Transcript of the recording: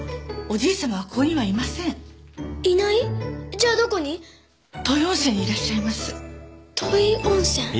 土肥温泉にいらっしゃいます土肥温泉？